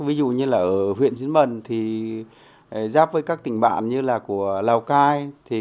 ví dụ như ở huyện xín mần giáp với các tỉnh bạn như là của lào cai